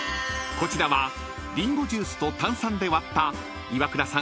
［こちらはリンゴジュースと炭酸で割った岩倉さん